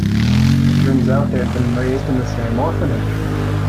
It turns out they had been raised in the same orphanage.